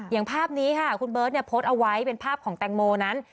อย่างภาพนี้ค่ะคุณเบิร์ตโพสต์เอาไว้เป็นภาพของแตงโมนั้น